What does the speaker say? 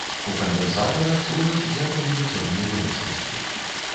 У кандэнсатарах служаць для павелічэння ёмістасці.